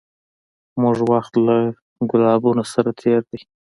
موږه وخت له ګلابونو سره تېر دی